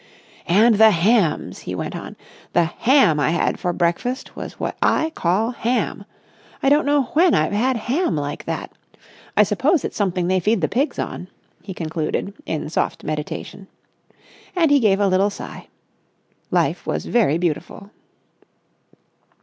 "And the hams!" he went on. "The ham I had for breakfast was what I call ham! I don't know when I've had ham like that. I suppose it's something they feed the pigs on!" he concluded, in soft meditation. And he gave a little sigh. Life was very beautiful.